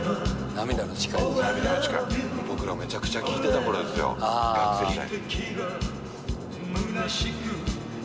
涙の誓い、僕らめちゃくちゃ聴いてたころですよ、学生時代。